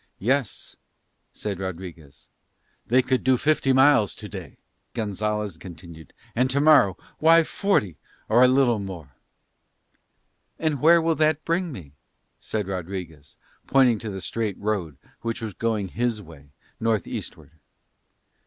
"Yes," said Rodriguez. "They could do fifty miles to day," Gonzalez continued, "and to morrow, why, forty, or a little more." "And where will that bring me?" said Rodriguez, pointing to the straight road which was going his way, north eastward.